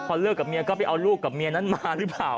พอเลิกกับเมียก็ไปเอาลูกกับเมียนั้นมาหรือเปล่า